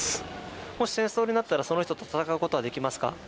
もし戦争になったらその人と戦うことはできますか？